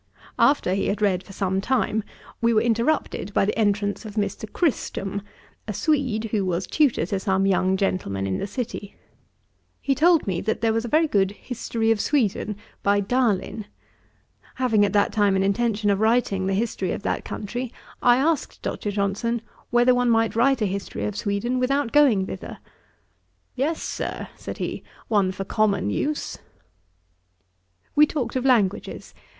After he had read for some time, we were interrupted by the entrance of Mr. Kristrom, a Swede, who was tutor to some young gentlemen in the city. He told me, that there was a very good History of Sweden, by Daline. Having at that time an intention of writing the history of that country, I asked Dr. Johnson whether one might write a history of Sweden, without going thither. 'Yes, Sir, (said he,) one for common use.' We talked of languages.